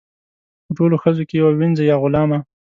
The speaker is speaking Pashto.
په ټولو ښځو کې یوه وینځه یا غلامه.